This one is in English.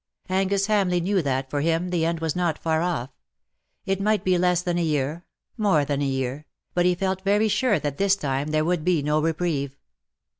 Angus Hamleigh knew that for him the end was not far off — it might be less than a year — more than a year — but he felt very sure that this time there would be no reprieve.